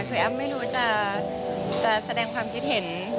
คือแอ้มไม่รู้จะแสดงความคิดเห็น